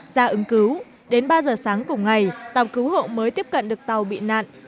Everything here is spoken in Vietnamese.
ra ứng cứu đến ba giờ sáng cùng ngày tàu cứu hộ mới tiếp cận được tàu bị nạn